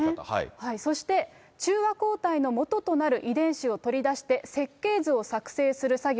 そして中和抗体のもととなる遺伝子を取り出して、設計図を作製する作業。